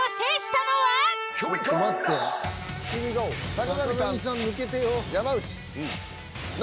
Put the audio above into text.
坂上さん抜けてよ。